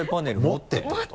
持ってってこと？